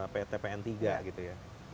ptpn tiga gitu ya